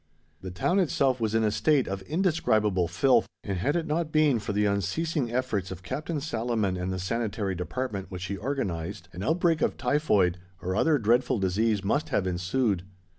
The town itself was in a state of indescribable filth, and had it not been for the unceasing efforts of Captain Salaman and the Sanitary Department which he organised, an outbreak of typhoid or other dreadful disease must have ensued.